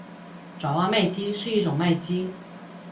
爪哇麦鸡是一种麦鸡。